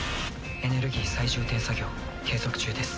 エネルギー再充填作業継続中です。